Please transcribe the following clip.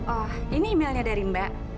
oh ini emailnya dari mbak